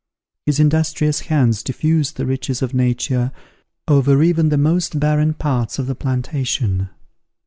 His industrious hands diffused the riches of nature over even the most barren parts of the plantation.